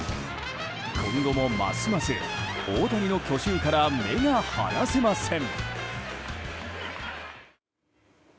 今後もますます大谷の去就から目が離せません。